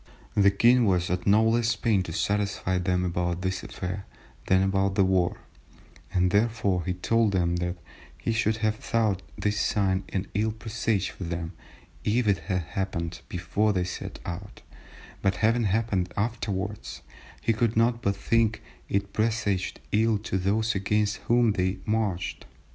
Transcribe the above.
The king was at no less pain to satisfy them about this affair than about the war, and therefore he told them that he should have thought this sign an ill presage for them, if it had happened before they set out, but having happened afterwards he could not but think it presaged ill to those against whom they marched.